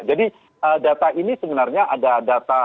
jadi data ini sebenarnya ada data rutin yang kita tampilkan